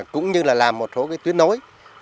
cũng như là làm một số tuyến nối